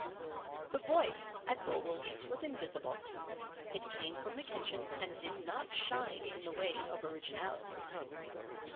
The Voice at Bogle's was invisible. It came from the kitchen, and did not shine in the way of originality.